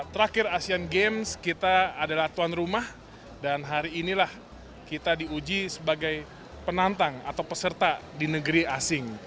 terakhir asean games kita adalah tuan rumah dan hari inilah kita diuji sebagai penantang atau peserta di negeri asing